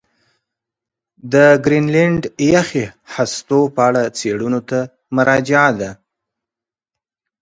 د ګرینلنډ یخي هستو په اړه څېړنو ته مراجعه ده.